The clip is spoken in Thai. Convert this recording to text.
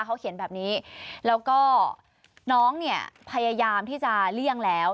เขาเขียนแบบนี้แล้วก็น้องเนี่ยพยายามที่จะเลี่ยงแล้ว